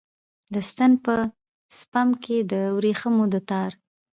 د ستن په سپم کې د وریښمو د تار